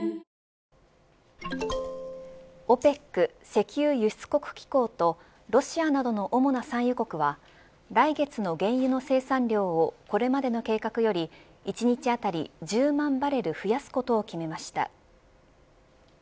ＯＰＥＣ、石油輸出国機構とロシアなどの主な産油国は来月の原油の生産量をこれまでの計画より、１日当たり１０万バレル増やすことを決めました。